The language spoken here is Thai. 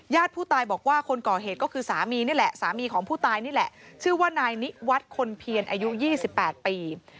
ผู้ตายบอกว่าคนก่อเหตุก็คือสามีนี่แหละสามีของผู้ตายนี่แหละชื่อว่านายนิวัฒน์คนเพียรอายุ๒๘ปี